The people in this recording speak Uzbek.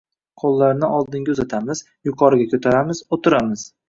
Qo‘llarni oldinga uzatamiz, yuqoriga ko‘taramiz, o‘tiramiz